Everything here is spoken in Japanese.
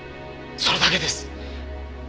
それだけです。